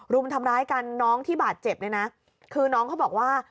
รุมทำร้ายกันน้องที่บาดเจ็บเนี่ยนะคือน้องเขาบอกว่า